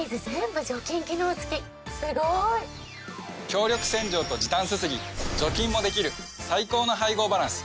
強力洗浄と時短すすぎ除菌もできる最高の配合バランス